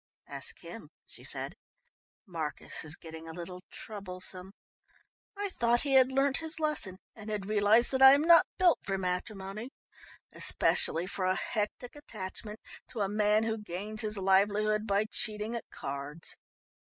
"Ask him," she said. "Marcus is getting a little troublesome. I thought he had learnt his lesson and had realised that I am not built for matrimony, especially for a hectic attachment to a man who gains his livelihood by cheating at cards."